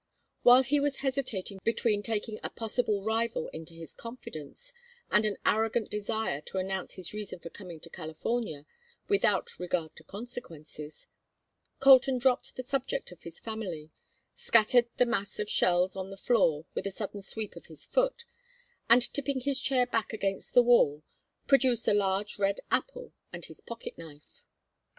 While he was hesitating between taking a possible rival into his confidence, and an arrogant desire to announce his reason for coming to California, without regard to consequences, Colton dropped the subject of his family, scattered the mass of shells on the floor with a sudden sweep of his foot, and tipping his chair back against the wall, produced a large red apple and his pocket knife.